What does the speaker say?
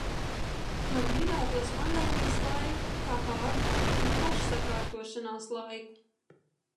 Man gribētos pandēmijas laiku kā pārdomu un pašsakārtošanās laiku.